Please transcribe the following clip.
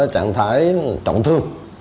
trạng thái trọng thương